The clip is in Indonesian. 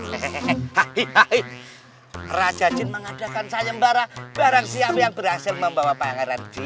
hai raja jin mengadakan sayembaran barang siap yang berhasil membawa pangeran di